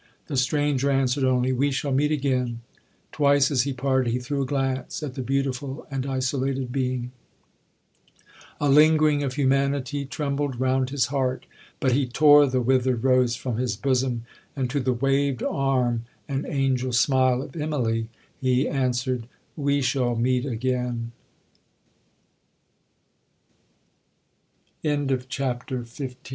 The stranger answered only, 'We shall meet again.' Twice, as he parted, he threw a glance at the beautiful and isolated being; a lingering of humanity trembled round his heart,—but he tore the withered rose from his bosom, and to the waved arm and angel smile of Immalee, he answered, 'We shall meet aga